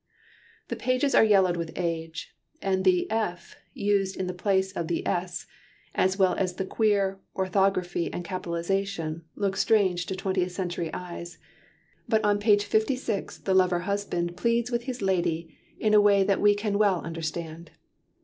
The pages are yellowed with age, and the "f" used in the place of the "s", as well as the queer orthography and capitalisation, look strange to twentieth century eyes, but on page 56 the lover husband pleads with his lady in a way that we can well understand.